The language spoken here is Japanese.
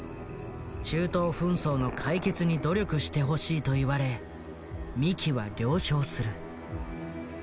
中東紛争の解決に努力してほしいと言われ三木は了承する。